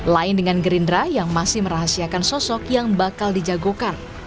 lain dengan gerindra yang masih merahasiakan sosok yang bakal dijagokan